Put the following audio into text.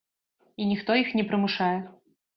І ніхто іх не прымушае!